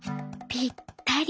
「ぴったり」。